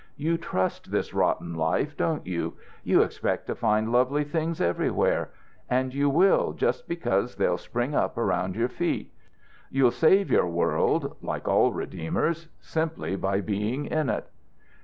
You trust this rotten life, don't you? You expect to find lovely things everywhere, and you will, just because they'll spring up around your feet. You'll save your world like all redeemers simply by being in it.'